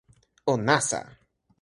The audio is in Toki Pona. o nasa!